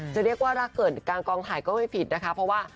จะเรียกว่ารักเกิดกลางกองถ่ายก็ไม่ผิดนะคะเพราะว่า